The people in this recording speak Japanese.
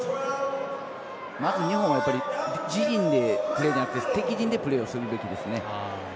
まず、日本は自陣じゃなくて敵陣でプレーをするべきですね。